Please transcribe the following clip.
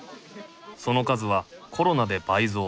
その数はコロナで倍増。